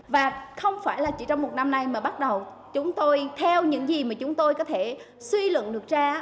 và không phải là chỉ trong một năm nay mà bắt đầu chúng tôi theo những gì mà chúng tôi có thể suy lượn được ra